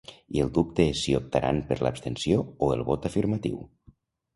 I el dubte és si optaran per l’abstenció o el vot afirmatiu.